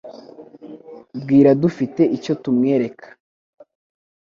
Bwira dufite icyo tumwereka.